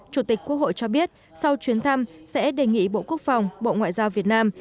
chủ tịch quốc hội cho biết sau chuyến thăm sẽ đề nghị bộ quốc phòng bộ ngoại giao việt nam